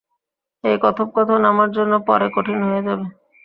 এই কথোপকথন আমার জন্য পরে কঠিন হয়ে যাবে।